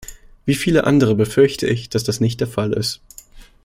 Wie viele andere befürchte ich, dass das nicht der Fall ist.